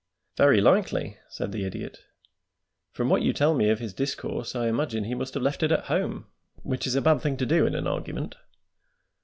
"Very likely," said the Idiot; "from what you tell me of his discourse I imagine he must have left it at home, which is a bad thing to do in an argument.